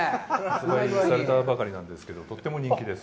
販売されたばかりなんですけど、とっても人気です。